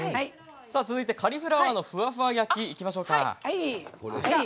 続いて「カリフラワーのフワフワ焼き」いきましょう。